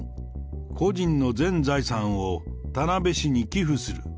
個人の全財産を田辺市にキフする。